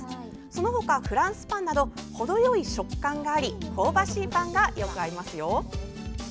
そのほかフランスパンなどほどよい食感があり香ばしいパンがよく合いますよ。